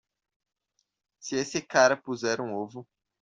Se esse cara puser um ovo.